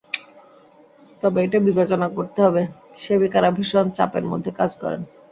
তবে এটা বিবেচনা করতে হবে, সেবিকারা ভীষণ চাপের মধ্যে কাজ করেন।